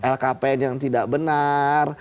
lkpn yang tidak benar